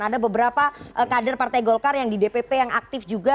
ada beberapa kader partai golkar yang di dpp yang aktif juga